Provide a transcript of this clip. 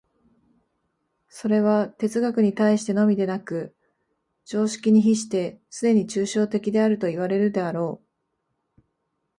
それは哲学に対してのみでなく、常識に比してすでに抽象的であるといわれるであろう。